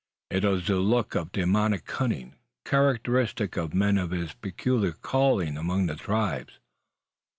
It is a look of demoniac cunning, characteristic of men of his peculiar calling among the tribes.